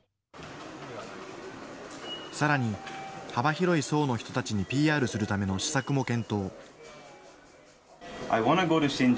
さらに幅広い層の人たちにＰＲするための施策も検討。